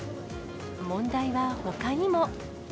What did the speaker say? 問題はほかにも。